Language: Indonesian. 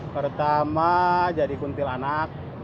pertama jadi kuntilanak